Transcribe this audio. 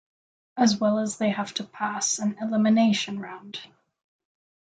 As well as they have to pass an "elimination" round.